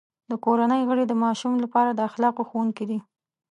د کورنۍ غړي د ماشوم لپاره د اخلاقو ښوونکي دي.